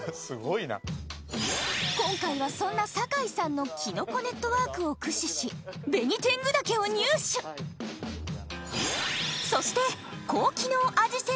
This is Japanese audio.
すごいな今回はそんな坂井さんのキノコネットワークを駆使しそして高機能味